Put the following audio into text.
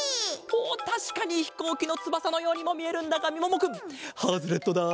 おったしかにひこうきのつばさのようにもみえるんだがみももくんハズレットだ。